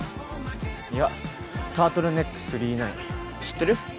いやタートルネック９９９知ってる？